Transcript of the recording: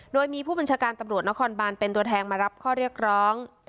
โดยมีผู้บัญชาการตำรวจนครบานเป็นตัวแทนมารับข้อเรียกร้อง